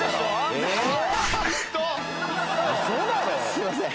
すいません。